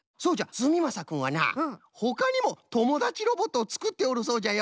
すみまさくんはなほかにもともだちロボットをつくっておるそうじゃよ。